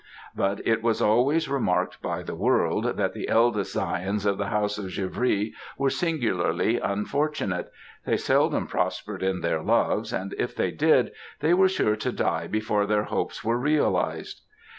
But it was always remarked by the world, that the eldest scions of the house of Givry were singularly unfortunate; they seldom prospered in their loves, and if they did, they were sure to die before their hopes were realised.